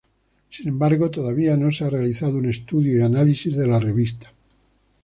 Sin embargo, todavía no se ha realizado un estudio y análisis de la revista.